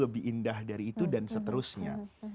lebih indah dari itu dan seterusnya